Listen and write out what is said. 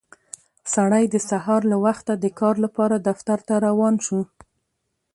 سړی د سهار له وخته د کار لپاره دفتر ته روان شو